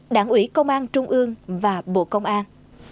đảng ủy công an trung ương và bộ công an